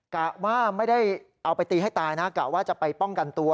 กะว่าไม่ได้เอาไปตีให้ตายนะกะว่าจะไปป้องกันตัว